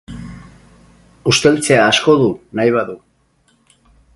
Usteltzea asko du, nahi badu!.